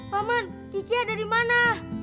paman kiki ada di mana